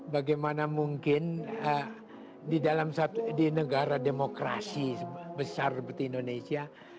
bagaimana mungkin di negara demokrasi besar seperti indonesia